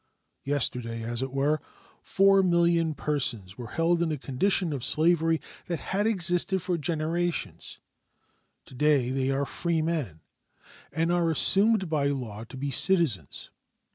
Yesterday, as it were, 4,000,000 persons were held in a condition of slavery that had existed for generations; to day they are freemen and are assumed by law to be citizens.